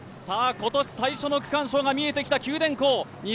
今年最初の区間賞が見えてきた九電工。